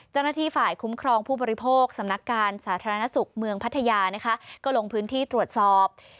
เจ้าหน้าที่ฝ่ายคุ้มครองผู้บริโภคสำนักการสาธารณสุขเมืองพัทยานะคะก็ลงพื้นที่ตรวจสอบ